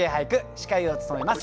司会を務めます